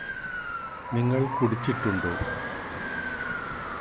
നിങ്ങള് കുടിച്ചിട്ടുണ്ടോ